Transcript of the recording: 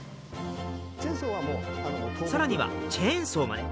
更にはチェーンソーまで。